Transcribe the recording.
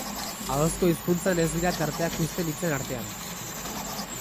Ahozko hizkuntzan ez dira tarteak uzten hitzen artean.